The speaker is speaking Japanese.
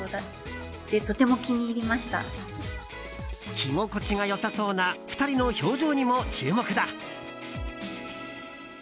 着心地が良さそうな２人の表情にも注目だ。